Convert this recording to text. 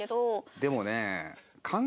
でもね。